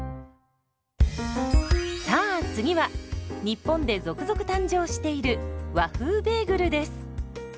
さあ次は日本で続々誕生している「和風ベーグル」です。